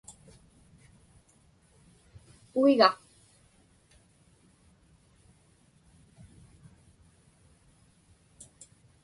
uiga